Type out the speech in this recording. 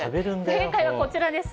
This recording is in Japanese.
正解はこちらです。